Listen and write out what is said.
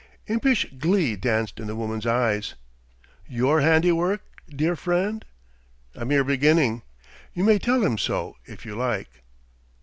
Impish glee danced in the woman's eyes. "Your handiwork, dear friend?" "A mere beginning.... You may tell him so, if you like."